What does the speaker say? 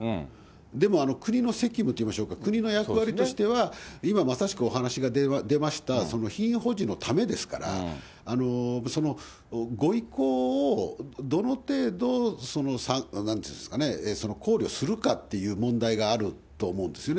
でも国の責務といいましょうか、国の役割としては、今まさしくお話が出ました、品位保持のためですから、そのご意向をどの程度、なんていうんですかね、考慮するかっていう問題があると思うんですよね。